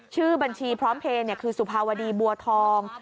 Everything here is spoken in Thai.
ชื่อบัญชีพร้อมเพลย์คือสุภาวดีบัวทอง